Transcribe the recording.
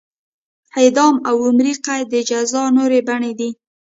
اعدام او عمري قید د جزا نورې بڼې دي.